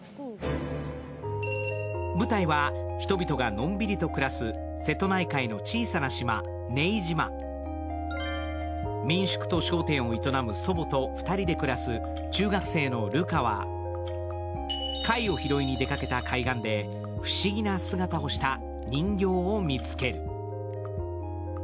舞台は人々がのんびりと暮らす瀬戸内海の小さな島・寧島民宿と商店を営む祖母と２人で暮らす中学生の琉花は貝を拾いに出かけた海岸で不思議な姿をした人形を見つける。